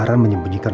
rozmanya jadi geatt